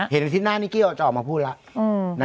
เห็นอาทิตย์หน้านิกิก็จะออกมาพูดหรือเปล่า